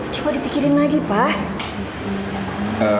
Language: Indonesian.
coba dipikirin lagi pak